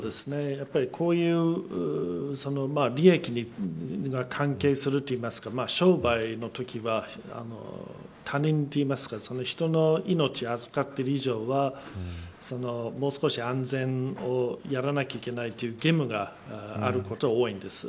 やっぱりこういう利益に関係するといいますか商売のときは他人といいますか人の命を預かっている以上はもう少し安全をやらなければいけないという義務があることが多いんです。